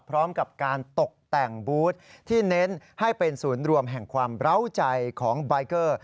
พร้อมกับการตกแต่งบูธที่เน้นให้เป็นศูนย์รวมแห่งความเหล้าใจของบายเกอร์